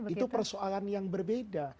itu persoalan yang berbeda